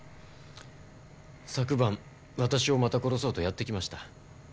昨晩私をまた殺そうとやって来ました。